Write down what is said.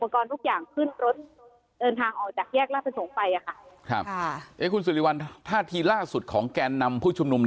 คุณสิริวัลท่าทีล่าสุดของแกนนำผู้ชุมนุม